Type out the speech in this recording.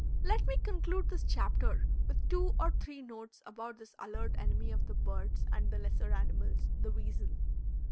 Let me conclude this chapter with two or three notes about this alert enemy of the birds and the lesser animals, the weasel.